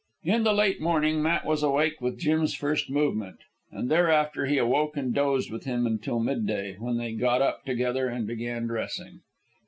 In the late morning Matt was awake with Jim's first movement, and thereafter he awoke and dozed with him until midday, when they got up together and began dressing.